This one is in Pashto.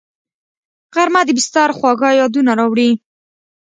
غرمه د بستر خواږه یادونه راوړي